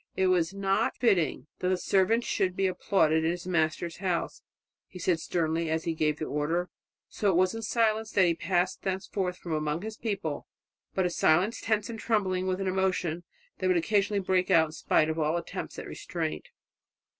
"It is not fitting that the servant should be applauded in his Master's house," he said sternly as he gave the order. So it was in silence that he passed thenceforward amongst his people but a silence tense and trembling with an emotion that would occasionally break out in spite of all attempts at restraint.